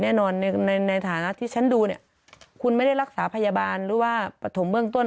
แน่นอนในฐานะที่ฉันดูเนี่ยคุณไม่ได้รักษาพยาบาลหรือว่าปฐมเบื้องต้น